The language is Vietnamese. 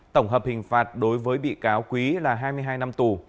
tổng hợp hình phạt đối với bị cáo quý là hai mươi hai năm tù